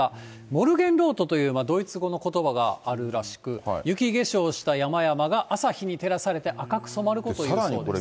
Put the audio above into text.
モルゲンロートというドイツ語のことばがあるらしく、雪化粧した山々が朝日に照らされて赤く染まることをいうそうです。